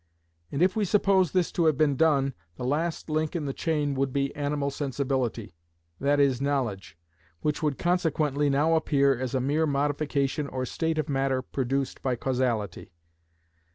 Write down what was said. And if we suppose this to have been done, the last link in the chain would be animal sensibility—that is knowledge—which would consequently now appear as a mere modification or state of matter produced by causality.